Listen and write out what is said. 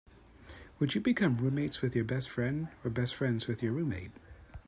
Would you become roommates wit your best friend or best friends with your roommate?